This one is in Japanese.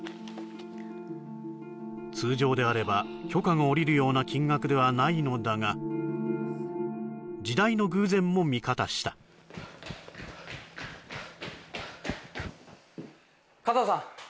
通常であれば許可が下りるような金額ではないのだが時代の偶然も味方した加藤さん